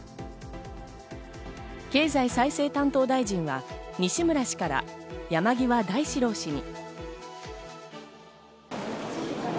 経済再生担当大臣は西村氏から山際大志郎氏に。